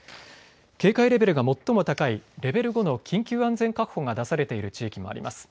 警戒レベルが最も高いレベル５の緊急安全確保が出されている地域もあります。